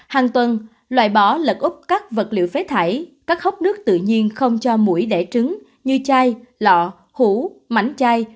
hàng tuần loại bỏ lật úp các vật liệu phế thải các hốc nước tự nhiên không cho mũi đẻ trứng như chai lọ hủ mảnh chai